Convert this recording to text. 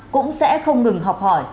cũng sẽ không ngừng học hỏi